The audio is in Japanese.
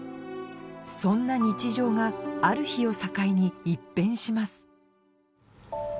そんな日常がある日を境に一変します